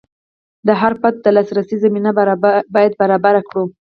د هر فرد د لاسرسي زمینه باید برابره کړو.